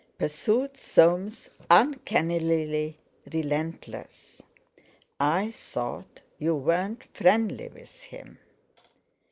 pursued Soames, uncannily relentless. "I thought you weren't friendly with him?"